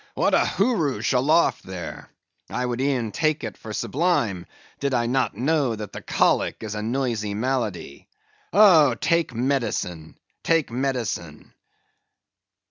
What a hooroosh aloft there! I would e'en take it for sublime, did I not know that the colic is a noisy malady. Oh, take medicine, take medicine!"